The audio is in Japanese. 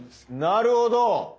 なるほど。